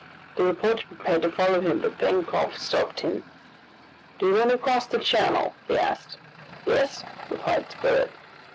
The reporter prepared to follow him, but Pencroft stopped him. "Do you want to cross the channel?" he asked. "Yes," replied Spilett.